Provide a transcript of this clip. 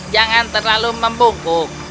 jangan terlalu membungkuk